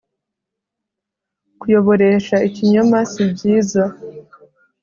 Kuyoboresha ikinyoma si byiza